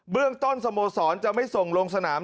เรื่องต้นสโมสรจะไม่ส่งลงสนาม